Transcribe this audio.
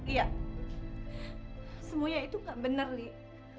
iya semuanya itu gak bener lia